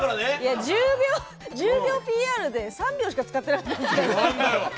１０秒ＰＲで３秒しか使ってなかったけど。